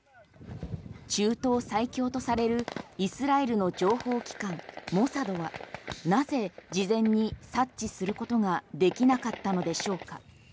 中東最強とされるイスラエルの情報機関モサドはなぜ事前に察知することができなかったのでしょうか？